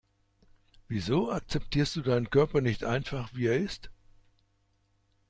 Wieso akzeptierst du deinen Körper nicht einfach, wie er ist?